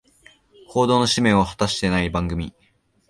報道の使命を果たしてない番組